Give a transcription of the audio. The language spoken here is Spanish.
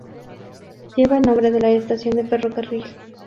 Lleva el nombre de la estación de ferrocarril.